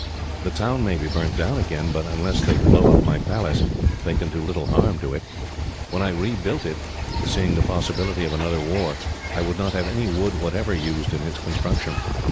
The town may be burnt down again, but unless they blow up my palace, they can do little harm to it. When I rebuilt it, seeing the possibility of another war, I would not have any wood whatever used in its construction.